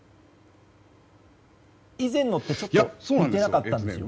以前のって、ちょっと似てなかったんですよ。